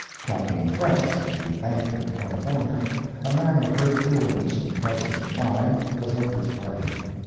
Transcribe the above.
Captain Fretz, of the Bank of California, a man of great coolness and presence of mind, was of this party.